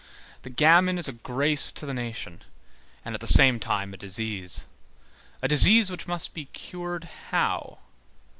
The gamin is a grace to the nation, and at the same time a disease; a disease which must be cured, how?